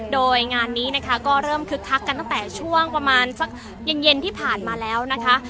โดยงานนี้นะคะก็เริ่มคึกคักกันตั้งแต่ช่วงประมาณสักเย็นที่ผ่านมาแล้วนะคะ